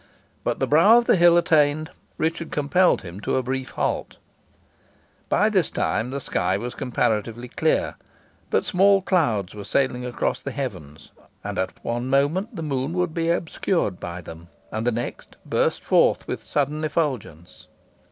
But the brow of the hill attained, Richard compelled him to a brief halt. By this time the sky was comparatively clear, but small clouds were sailing across the heavens, and at one moment the moon would be obscured by them, and the next, burst forth with sudden effulgence.